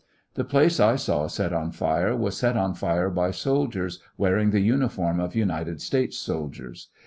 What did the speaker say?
The place I saw set on fire was set on fire by soldiers wearing the uniform of United States soldiers.